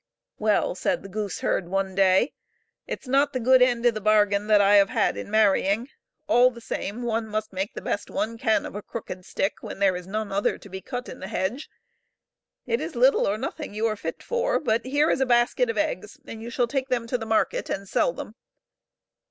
" Well," said the gooseherd one day, " it's not the good end of the bargain that I have had in marrying; all the same, one must make the best one can of a crooked stick when there is none other to be cut in the hedge. It is little or nothing you are fit for ; but here is a basket of eggs, and you shall take them to the market and sell them."